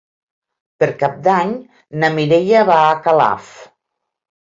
Per Cap d'Any na Mireia va a Calaf.